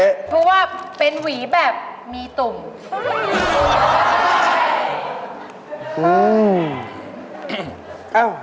เพราะว่าเป็นหวีแบบมีตุ่ม